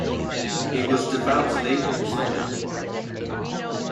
He was devoutly Catholic.